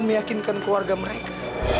meyakinkan keluarga mereka